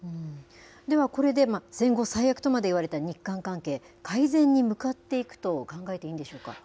ではこれで戦後最悪とまで言われた日韓関係、改善に向かっていくと考えていいんでしょうか。